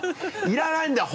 いらないんだよ